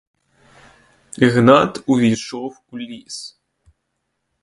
Гнат увійшов у ліс.